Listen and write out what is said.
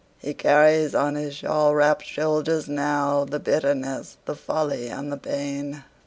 He carries on his shawl wrapped shoulders nowThe bitterness, the folly and the pain.